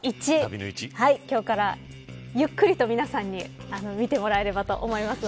今日からゆっくりと皆さんに見てもらえればと思います。